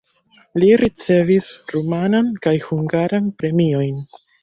Li ricevis rumanan kaj hungaran premiojn.